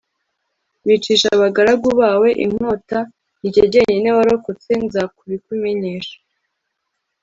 bicisha abagaragu bawe inkota; ni jye jyenyine warokotse, nza kubikumenyesha